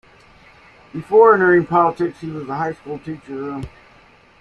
Before entering politics he was a high school teacher.